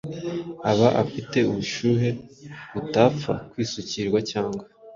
aba afite ubushuhe butapfa kwisukirwa cyangwa